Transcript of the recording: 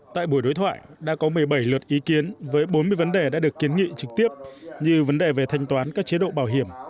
tại buổi đối thoại đã có một mươi bảy luật ý kiến với bốn mươi vấn đề đã được kiến nghị trực tiếp như vấn đề về thanh toán các chế độ bảo hiểm